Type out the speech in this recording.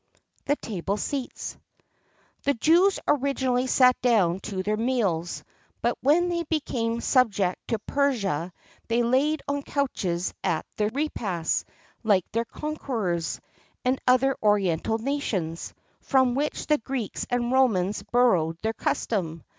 THE TABLE SEATS. The Jews originally sat down to their meals; but when they became subject to Persia they laid on couches at their repasts, like their conquerors, and other oriental nations, from whom the Greeks and Romans borrowed their custom.